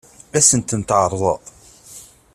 Ad sen-ten-tɛeṛḍeḍ?